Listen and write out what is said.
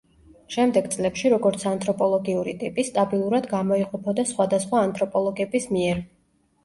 შემდეგ წლებში როგორც ანთროპოლოგიური ტიპი სტაბილურად გამოიყოფოდა სხვადასხვა ანთროპოლოგების მიერ.